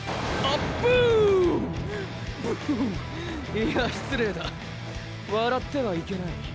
いや失礼だ笑ってはいけない。